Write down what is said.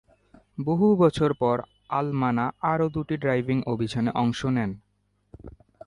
বহু বছর পর, আল-মানা আরও দুটি ড্রাইভিং অভিযানে অংশ নেন।